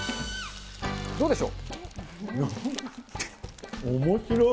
どうでしょう？